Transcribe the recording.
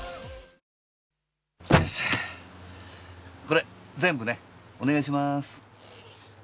これ全部ねお願いしまーす。